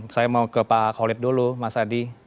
saya mau ke pak khalid dulu mas adi